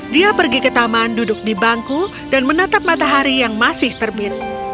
dia pergi ke taman duduk di bangku dan menatap matahari yang masih terbit